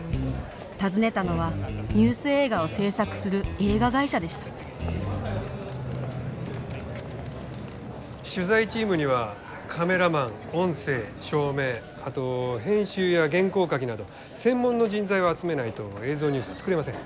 訪ねたのはニュース映画を制作する映画会社でした取材チームにはカメラマン音声照明あと編集や原稿書きなど専門の人材を集めないと映像ニュースは作れません。